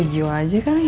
gue jual aja kali ya